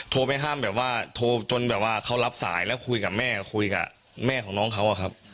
โทรไปห้ามแบบว่าโทรจนแบบว่าเขารับสายแล้วคุยกับแม่คุยกับแม่ของน้องเขาอะครับ